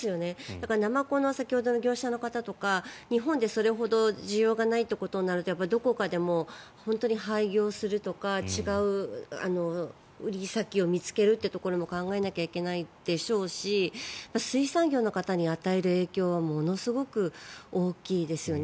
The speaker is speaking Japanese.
だから、ナマコの先ほどの業者の方とか日本でそれほど需要がないということになるとどこかで本当に廃業するとか違う売り先を見つけるというところも考えなきゃいけないでしょうし水産業の方に与える影響はものすごく大きいですよね。